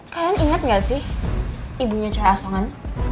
kalian inget gak sih ibunya caya asangan